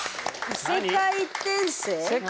異世界・転生。